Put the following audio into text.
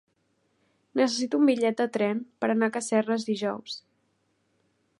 Necessito un bitllet de tren per anar a Casserres dijous.